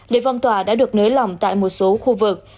lễ phong tỏa đã được nới lỏng tại một số khu vực